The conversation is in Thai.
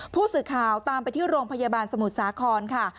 ผู้สื่อข่าวตามไปที่โรงพยาบาลสมุทรสาครค่ะ